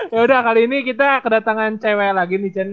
yaudah kali ini kita kedatangan cewek lagi nih chan